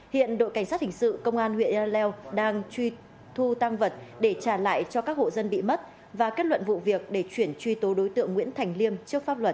hiện đội cảnh sát hình sự công an huyện ea leo đang truy thu tăng vật để trả lại cho các hộ dân bị mất và kết luận vụ việc để chuyển truy tố đối tượng nguyễn thành liêm trước pháp luật